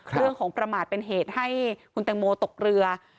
เรื่องของประมาทเป็นเหตุให้คุณแตงโมตกเรือ